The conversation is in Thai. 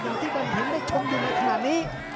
อย่างที่ท่านเห็นได้ชมอยู่ในขณะนี้